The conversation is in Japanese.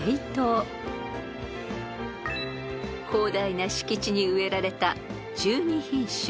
［広大な敷地に植えられた１２品種